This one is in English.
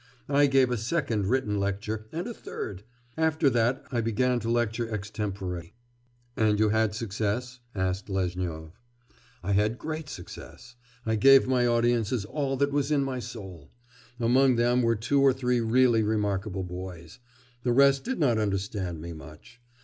I gave a second written lecture, and a third. After that I began to lecture extempore.' 'And you had success?' asked Lezhnyov. 'I had a great success. I gave my audience all that was in my soul. Among them were two or three really remarkable boys; the rest did not understand me much.